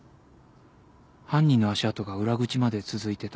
犯人の足跡が裏口まで続いてた。